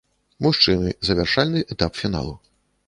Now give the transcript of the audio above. Мужчыны, завяршальны этап фіналу.